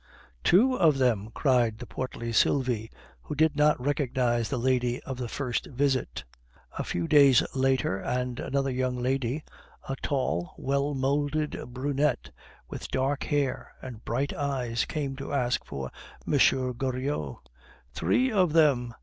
"Two of them!" cried the portly Sylvie, who did not recognize the lady of the first visit. A few days later, and another young lady a tall, well moulded brunette, with dark hair and bright eyes came to ask for M. Goriot. "Three of them!"